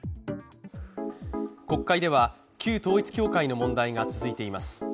国会では旧統一教会の問題が続いています。